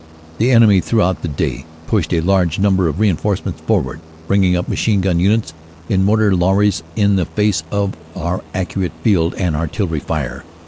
"The enemy throughout the day pushed a large number of reinforcements forward, bringing up Machine gun Units in motor lorries in the face of our accurate Field and Artillery Fire.